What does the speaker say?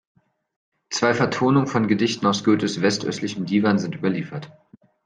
Zwei Vertonungen von Gedichten aus Goethes West-Östlichem Divan sind überliefert.